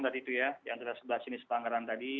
dari itu ya diantara sebelah sini pelanggaran tadi